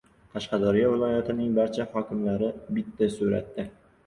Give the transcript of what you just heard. Qashqadaryo viloyatining barcha hokimlari — bitta suratda